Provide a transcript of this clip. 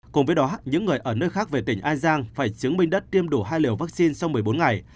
cùng với đó những người ở nơi khác về tỉnh an giang phải chứng minh đất tiêm đủ hai liều vaccine sau một mươi bốn ngày